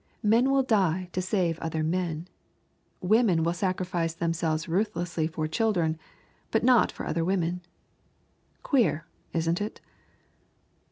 Men will die to save other men. Women will sacrifice themselves ruthlessly for children, but not for other women. Queer, isn't it?